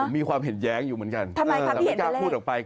มีความเห็นแย้งอยู่เหมือนกันแต่ไม่กล้าพูดออกไปทำไมครับไม่เห็นในเลข